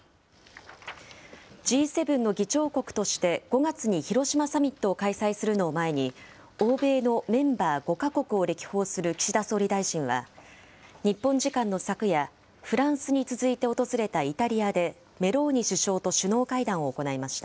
Ｇ７の議長国として５月に広島サミットを開催するのを前に、欧米のメンバー５か国を歴訪する岸田総理大臣は、日本時間の昨夜、フランスに続いて訪れたイタリアで、メローニ首相と首脳会談を行いました。